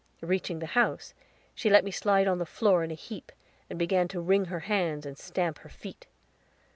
Reaching the house, she let me slide on the floor in a heap, and began to wring her hands and stamp her feet.